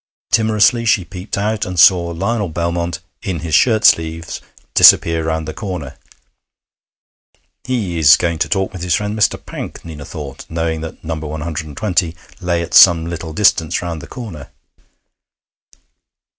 Timorously she peeped out, and saw Lionel Belmont, in his shirt sleeves, disappear round the corner. 'He is going to talk with his friend Mr. Pank,' Nina thought, knowing that No. 120 lay at some little distance round that corner.